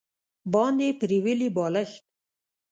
باندې پریولي بالښت